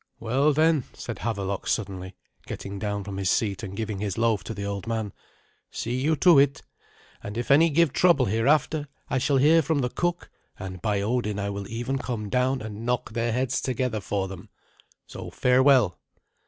"Well, then," said Havelok suddenly, getting down from his seat and giving his loaf to the old man, "see you to it; and if any give trouble hereafter, I shall hear from the cook, and, by Odin, I will even come down and knock their heads together for them. So farewell."